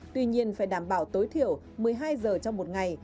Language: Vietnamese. tuy nhiên phải đảm bảo tối thiểu một mươi hai giờ trong một ngày